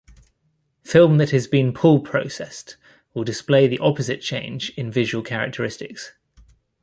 Film that has been pull processed will display the opposite change in visual characteristics.